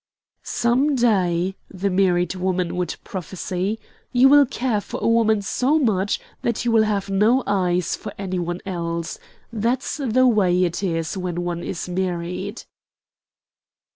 "Some day," the married woman would prophesy, "you will care for a woman so much that you will have no eyes for any one else. That's the way it is when one is married."